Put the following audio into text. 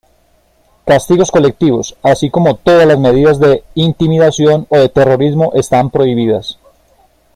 Castigos colectivos, así como todas las medidas de intimidación o de terrorismo están prohibidas.